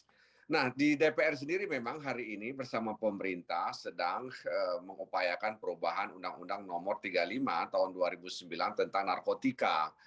nah di dpr sendiri memang hari ini bersama pemerintah sedang mengupayakan perubahan undang undang nomor tiga puluh lima tahun dua ribu sembilan tentang narkotika